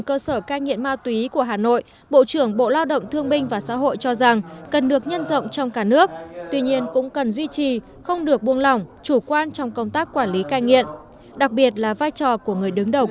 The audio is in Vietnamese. cơ sở ca nghiện ma túy số năm hiện đang được giao điều trị cho học viên ca nghiện tại đây